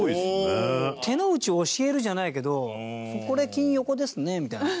柴田：手の内を教えるじゃないけどここで、金、横ですねみたいな。